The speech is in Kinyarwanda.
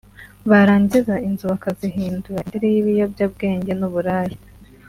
barangiza inzu bakazihindura indiri y’ibiyobyabwege n’uburaya